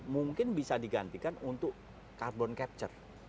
mungkin bisa digantikan untuk carbon capture